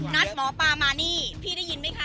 นัดหมอปลามานี่พี่ได้ยินไหมคะ